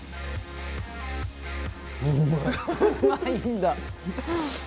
うまいんだ。